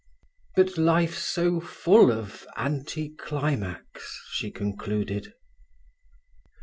"But life's so full of anti climax," she concluded.